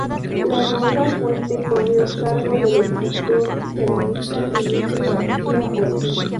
La nueva fuente corrió cargo del escultor y ceramista Emilio García Ortiz.